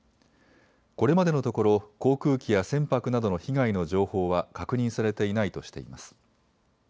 これまでのところ航空機や船舶などの被害の情報は確認されていないとしています。